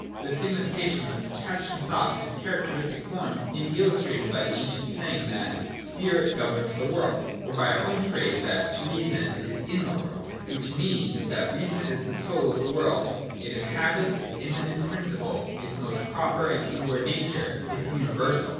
The signification thus attached to thought and its characteristic forms may be illustrated by the ancient saying that Sour governs the world,' or by our own phrase that ' Reason is in the ' world ': which means that Reason is the soul of the world it inhabits, its immanent principle, its most proper and inward nature, its universal.